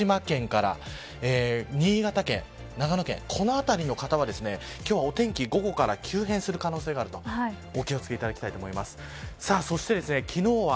特に確率が高くなっているのが福島県から新潟県、長野県、この辺りの方は今日はお天気、午後から急変する可能性があるのでお気を付けいただきたいと思います。